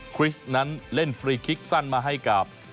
คริสนั้นเล่นฟรีคลิกสั้นมาให้กับ